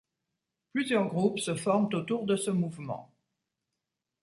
Plusieurs groupes se forment autour de ce mouvement.